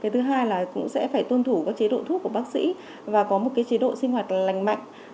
thứ hai là cũng sẽ phải tuân thủ các chế độ thuốc của bác sĩ và có một chế độ sinh hoạt lành mạnh